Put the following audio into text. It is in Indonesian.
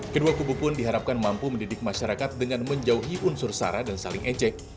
kedua kubu pun diharapkan mampu mendidik masyarakat dengan menjauhi unsur sara dan saling ejek